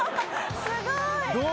すごい。